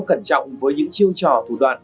cẩn trọng với những chiêu trò thủ đoạn